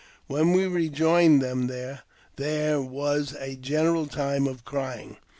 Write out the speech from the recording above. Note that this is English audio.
When we rejoined them there was a general time of crying.